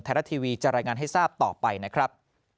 รัฐทีวีจะรายงานให้ทราบต่อไปนะครับ